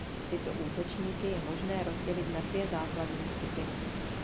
Tyto útočníky je možné rozdělit na dvě základní skupiny.